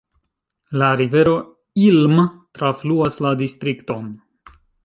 La rivero Ilm trafluas la distrikton.